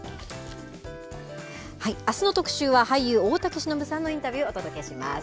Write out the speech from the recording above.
あすの特集は、俳優、大竹しのぶさんのインタビュー、お届けします。